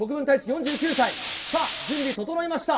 ４９歳、さあ、準備整いました。